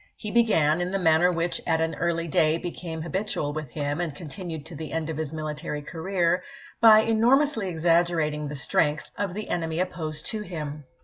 He began, in the manner which at an early day became habitual with him and continued to the end of his military career, by enormously exaggerating the strength of the enemy opposed to him.